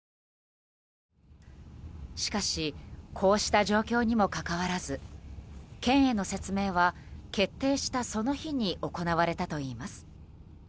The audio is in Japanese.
しかしこうした状況にもかかわらず県への説明は決定したその日に行われたといいます。